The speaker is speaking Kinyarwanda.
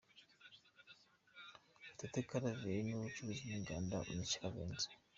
Gatete Claver n’uw’Ubucuruzi n’Inganda, Munyeshyaka Vincent.